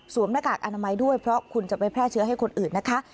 หน้ากากอนามัยด้วยเพราะคุณจะไปแพร่เชื้อให้คนอื่นนะคะ